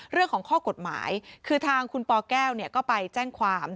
เรื่องของข้อกฎหมายคือทางคุณปแก้วก็ไปแจ้งความ